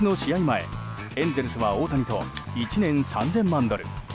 前エンゼルスは大谷と１年３０００万ドル